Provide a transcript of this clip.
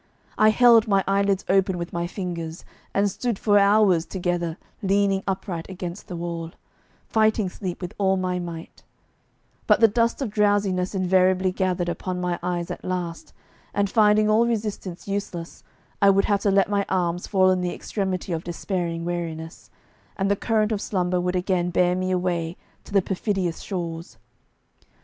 I held my eyelids open with my fingers, and stood for hours together leaning upright against the wall, fighting sleep with all my might; but the dust of drowsiness invariably gathered upon my eyes at last, and finding all resistance useless, I would have to let my arms fall in the extremity of despairing weariness, and the current of slumber would again bear me away to the perfidious shores.